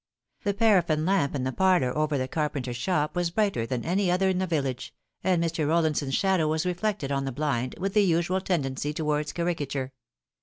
The paraffin lamp in the parlour over the carpenter's shop was brighter than any other in the village, and Mr. Rollinson's shadow was reflected on the blind, with the usual tendency towards caricature.